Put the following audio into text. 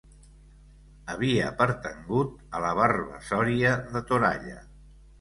Havia pertangut a la Varvassoria de Toralla.